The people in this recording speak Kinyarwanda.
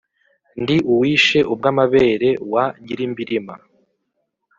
ndi uwishe ubw’amabere wa nyirimbirima